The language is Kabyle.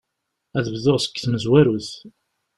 Ad bduɣ seg tmezwarut.